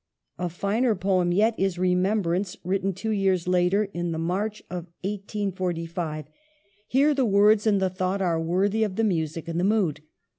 A finer poem yet is ' Remembrance,' written two years later, in the March of 1845 ; here the WRITING POETRY. 181 words and the thought are worthy of the music and the mood.